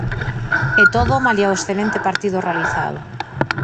E todo malia o excelente partido realizado.